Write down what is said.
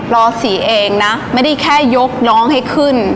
อสีเองนะไม่ได้แค่ยกน้องให้ขึ้น